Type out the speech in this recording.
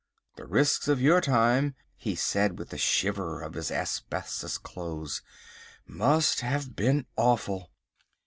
The risks of your time," he said, with a shiver of his asbestos clothes, "must have been awful."